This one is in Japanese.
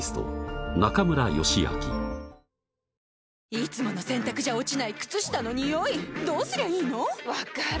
いつもの洗たくじゃ落ちない靴下のニオイどうすりゃいいの⁉分かる。